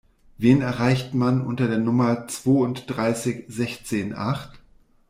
Wen erreicht man unter der Nummer zwounddreißig sechzehn acht?